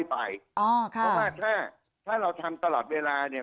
เพราะว่าถ้าเราทำตลอดเวลาเนี่ย